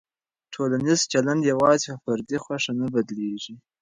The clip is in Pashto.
ټولنیز چلند یوازې په فردي خوښه نه بدلېږي.